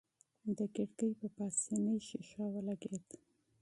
د کړکۍ په پاسنۍ ښيښه ولګېد.